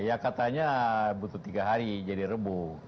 ya katanya butuh tiga hari jadi rebu